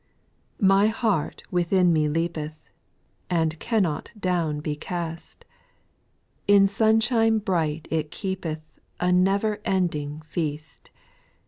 My heart within me leapeth, And cannot down be cast ; In sunshine bright it keepeth A never ending feast.